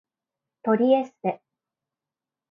トリエステ